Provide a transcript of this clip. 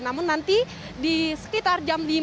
namun nanti di sekitar jam lima